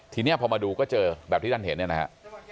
ทีนี้พอมาดูก็เจอแบบที่ท่านเห็นเนี่ยนะฮะ